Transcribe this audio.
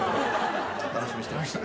楽しみにしてました。